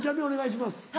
お願いします。